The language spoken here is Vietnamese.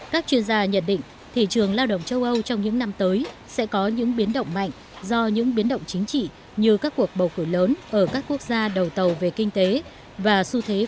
các chuyên gia nhận định thị trường lao động châu âu trong những năm tới sẽ có những biến động mạnh do những biến động chính trị như các cuộc bầu cử lớn ở các quốc gia đầu tàu về kinh tế và xu thế